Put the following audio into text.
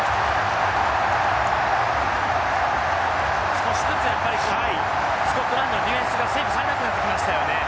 少しずつスコットランドのディフェンスが整備されなくなってきましたよね。